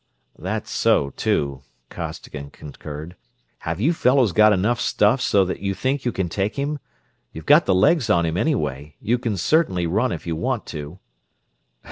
"That's so, too," Costigan concurred. "Have you fellows got enough stuff so that you think you can take him? You've got the legs on him, anyway you can certainly run if you want to!"